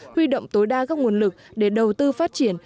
huy động tối đa các nguồn lực để đầu tư phát triển